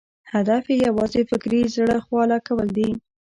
هدف یې یوازې فکري زړه خواله کول دي.